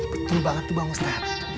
betul banget tuh bang ustadz